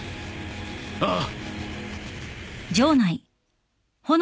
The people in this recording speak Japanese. ああ。